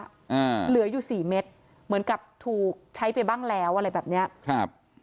อ่าเหลืออยู่สี่เม็ดเหมือนกับถูกใช้ไปบ้างแล้วอะไรแบบเนี้ยครับ